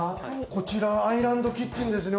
こちらはアイランドキッチンですね。